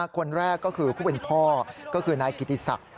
คนแรกก็คือผู้เป็นพ่อก็คือนายกิติศักดิ์